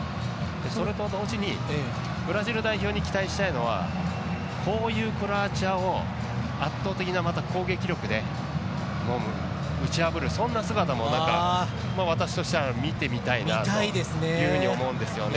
それと同時にブラジル代表に期待したいのはこういうクロアチアを、圧倒的な攻撃力で打ち破るそんな姿も、私としては見てみたいなというふうに思うんですよね。